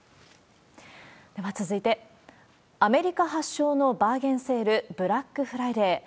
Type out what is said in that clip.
では続いて、アメリカ発祥のバーゲンセール、ブラックフライデー。